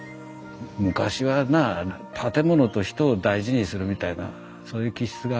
昔はな建物と人を大事にするみたいなそういう気質があるのかな。